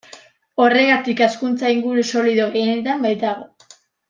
Horregatik hazkuntza-inguru solido gehienetan baitago.